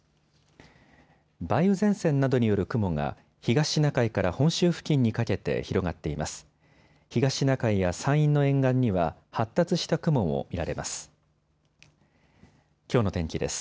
梅雨前線などによる雲が東シナ海から本州付近にかけて広がっています。